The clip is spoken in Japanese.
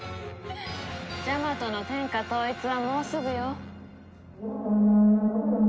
ジャマトの天下統一はもうすぐよ。